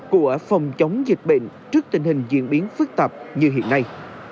của phòng chống dịch bệnh trước tình hình diễn biến phức tạp như hiện nay